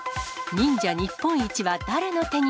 忍者日本一は誰の手に？